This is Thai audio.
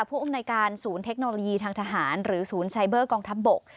ผู้อำนวยการศูนย์เทคโนโลยีทางทหารหรือศูนย์ไซเบอร์กองทัพบก